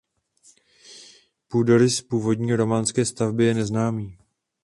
Půdorys původní románské stavby je neznámý.